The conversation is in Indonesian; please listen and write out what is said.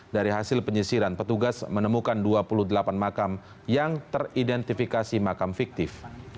dari hasil penyisiran petugas menemukan dua puluh delapan makam yang teridentifikasi makam fiktif